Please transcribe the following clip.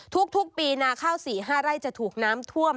ทุกปีนาข้าว๔๕ไร่จะถูกน้ำท่วม